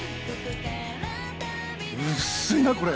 薄いなこれ！